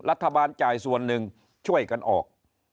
จ่ายส่วนหนึ่งช่วยกันออก